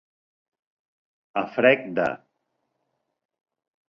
A frec de.